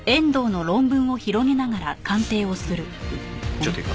ちょっといいか。